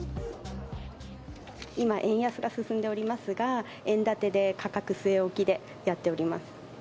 今、円安が進んでおりますが、円建てで、価格据え置きでやっております。